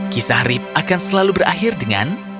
kisah rip akan selalu berakhir dengan